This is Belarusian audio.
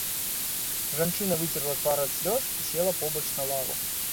Жанчына выцерла твар ад слёз і села побач на лаву.